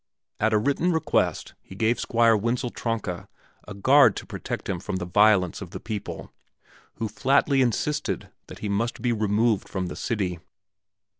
At a written request he gave Squire Wenzel Tronka a guard to protect him from the violence of the people, who flatly insisted that he must be removed from the city.